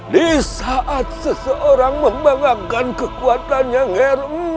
di saat seseorang membanggakan kekuatannya ger